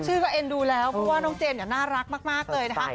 ก็เอ็นดูแล้วเพราะว่าน้องเจนเนี่ยน่ารักมากเลยนะคะ